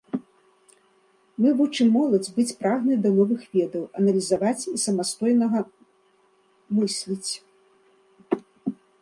Мы вучым моладзь быць прагнай да новых ведаў, аналізаваць і самастойнага мысліць.